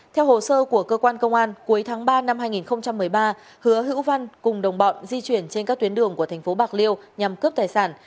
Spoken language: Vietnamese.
theo hồ sơ của cơ quan công an cuối tháng ba năm hai nghìn một mươi ba hứa hữu văn cùng đồng bọn di chuyển trên các tuyến đường của thành phố bạc liêu nhằm cướp tài sản